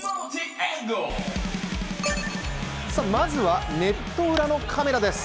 まずはネット裏のカメラです。